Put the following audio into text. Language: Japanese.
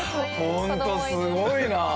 ホントすごいな。